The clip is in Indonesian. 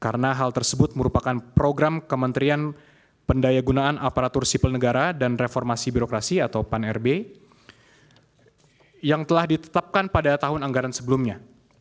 karena hal tersebut merupakan program kementerian pendaya gunaan aparatur sipil negara dan reformasi birokrasi atau pan rb yang telah ditetapkan pada tahun anggaran sebelumnya